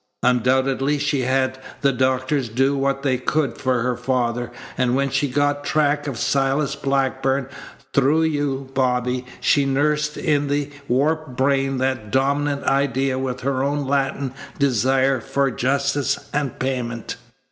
Undoubtedly she had the doctors do what they could for her father, and when she got track of Silas Blackburn through you, Bobby, she nursed in the warped brain that dominant idea with her own Latin desire for justice and payment."